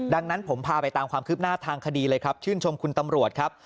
ดังนั้นผมพาไปตามความคืบหน้าทางคดีเลยครับชื่นชมคุณตำรวจครับ